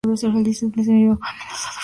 Ese mismo día fue mandado fusilar Santibáñez.